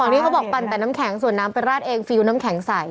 นี่เขาบอกปั่นแต่น้ำแข็งส่วนน้ำไปราดเองฟิลน้ำแข็งใส